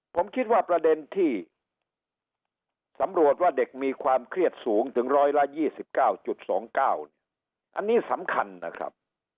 ผมคิดว่าประเด็นที่สำรวจว่าเด็กมีความเครียดสูงถึง๑๒๙๒๙เนี่ยอันนี้สำคัญนะครับ